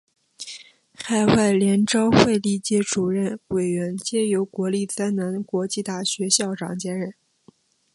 海外联招会历届主任委员皆由国立暨南国际大学校长兼任。